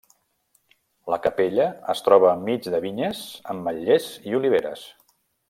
La capella es troba enmig de vinyes, ametllers i oliveres.